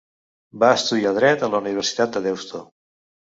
Va estudiar Dret a la Universitat de Deusto.